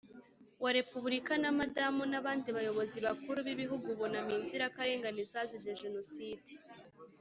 Wa repubulika na madamu n abandi bayobozi bakuru b ibihugu bunamiye inzirakarengane zazize jenocide